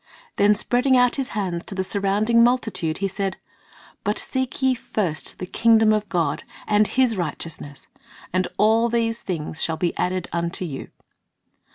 Then spreading out His hands to the surrounding multitude, He said, "But seek ye first the kingdom of God, and His righteousness; and all these things shall be added unto you."